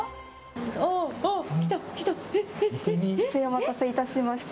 お待たせいたしました。